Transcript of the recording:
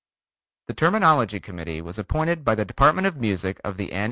The Terminology Committee was appointed by the Department of Music of the N.